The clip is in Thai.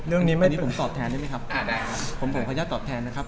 อันนี้ผมตอบแทนได้ไหมครับผมขอพระเจ้าตอบแทนนะครับ